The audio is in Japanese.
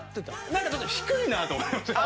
なんかちょっと低いなと思いました。